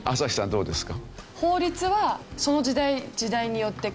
どうですか？